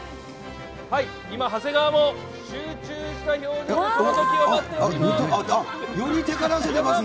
今、長谷川も集中した表情で、その時を待っております。